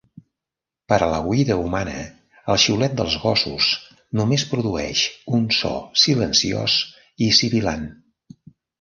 Per a l'oïda humana, el xiulet dels gossos només produeix un so silenciós i sibilant.